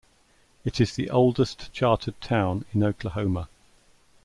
It is the oldest chartered town in Oklahoma.